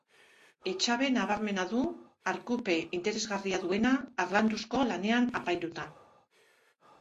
Etxabe nabarmena du, arkupe interesgarria duena, harlanduzko lanean apainduta.